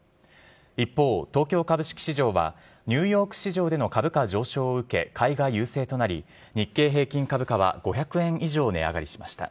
一方、東京株式市場はニューヨーク市場での株価上昇を受け買いが優勢となり日経平均株価は５００円以上値上がりしました。